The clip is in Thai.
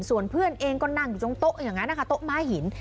ส่วนเพื่อนเองก็นั่งอยู่ตรงโต๊ะอย่างนั้นนะคะโต๊ะม้าหิน